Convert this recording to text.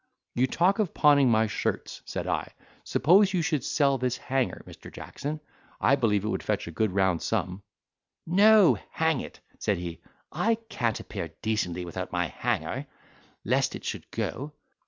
"You talk of pawning my shirts," said I; "suppose you should sell this hanger, Mr. Jackson. I believe it would fetch a good round sum." "No, hang it!" said he, "I can't appear decently without my hanger, lest it should go."